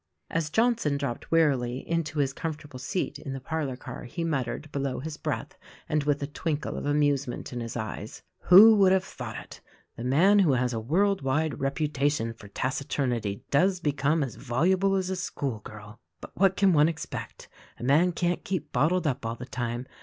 As Johnson dropped wearily into his comfortable seat in the parlor car he muttered, below his breath and with a twinkle of amusement in his eyes: "Who would have thought it! The man who has a world wide reputation for taciturnity does become as voluble as a school girl! But, what can one expect; a man can't keep bottled up all the time.